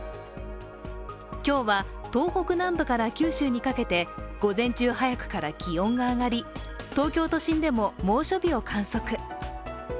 今日は東北南部から九州にかけて午前中早くから気温が上がり東京都心でも猛暑日を観測。